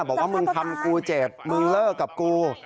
บอกว่ามึงทำกูเจ็บมึงเลิกกับกู